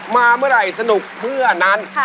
มาเมื่อไหร่สนุกเมื่อนั้น